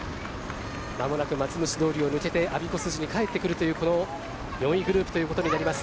間もなく松虫通を抜けてあびこ筋に帰ってくるというこの４位グループということになります。